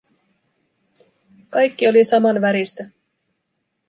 kaikki oli samanväristä.